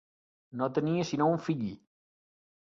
No tenia sinó un fill.